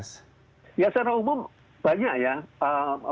ya secara umum banyak ya